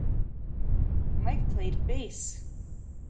Mike played bass.